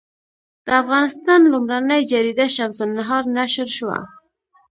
د افغانستان لومړنۍ جریده شمس النهار نشر شوه.